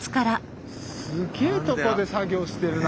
すげえとこで作業してるな。